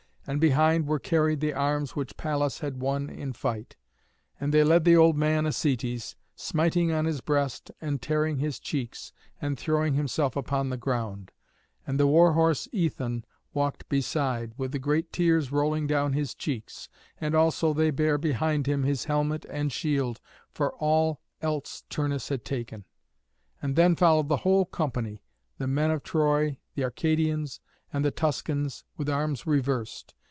And behind were carried the arms which Pallas had won in fight; and they led the old man Acœtes, smiting on his breast and tearing his cheeks, and throwing himself upon the ground; and the war horse Æthon walked beside, with the great tears rolling down his cheeks. And also they bare behind him his helmet and shield, for all else Turnus had taken; and then followed the whole company, the men of Troy, the Arcadians, and the Tuscans, with arms reversed.